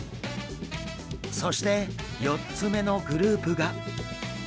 そして４つ目のグループが。